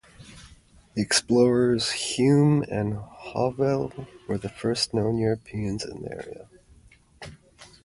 The explorers Hume and Hovell were the first-known Europeans in the area.